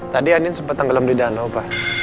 tadi andin sempet tenggelam di danau pak